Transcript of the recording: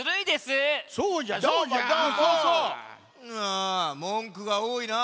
あもんくがおおいな。